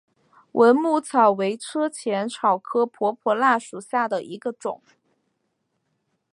蚊母草为车前草科婆婆纳属下的一个种。